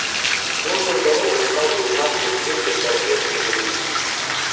Нужную дорогу указывают наши успехи в борьбе с малярией.